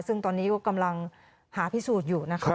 ซึ่งตอนนี้ก็กำลังหาพิสูจน์อยู่นะคะ